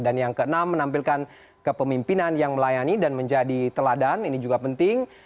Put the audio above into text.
dan yang keenam menampilkan kepemimpinan yang melayani dan menjadi teladan ini juga penting